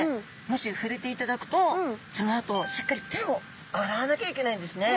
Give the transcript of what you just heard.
もしふれていただくとそのあとしっかり手を洗わなきゃいけないんですね。